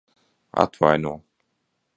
Atvaino.